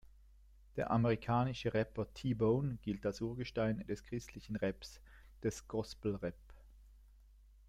Der amerikanische Rapper T-Bone gilt als Urgestein des christlichen Raps, des Gospel-Rap.